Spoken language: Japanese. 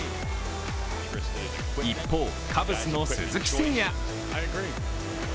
一方、カブスの鈴木誠也。